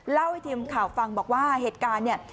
เล่าให้ทีมข่าวฟังบอกว่าเหตุการณ์เนี่ย